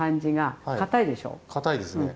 かたいですね。